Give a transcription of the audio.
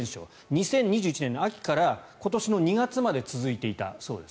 ２０２１年の秋から今年の２月まで続いていたそうです。